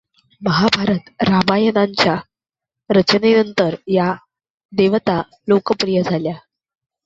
महाभारत रामायणांच्या रचनेनंतर या देवता लोकप्रिय झाल्या.